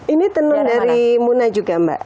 ini tenun dari muna juga mbak